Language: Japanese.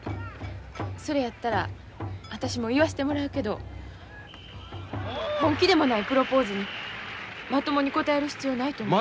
それやったら私も言わしてもらうけど本気でもないプロポーズにまともに答える必要はないと。